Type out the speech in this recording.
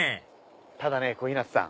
ただね小日向さん。